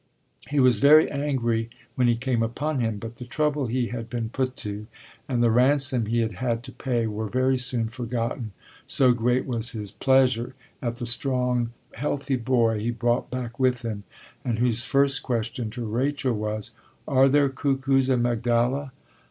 He was very angry when he came upon him, but the trouble he had been put to and the ransom he had had to pay were very soon forgotten, so great was his pleasure at the strong healthy boy he brought back with him, and whose first question to Rachel was: are there cuckoos in Magdala?